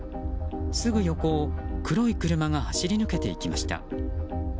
すぐ横を黒い車が走り抜けていきました。